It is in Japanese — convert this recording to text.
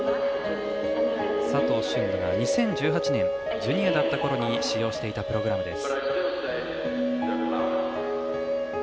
佐藤駿が２０１８年ジュニアだった頃に使用していたプログラムです。